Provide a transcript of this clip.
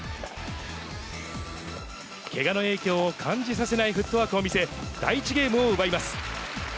けがの影響を感じさせないフットワークを見せ、第１ゲームを奪います。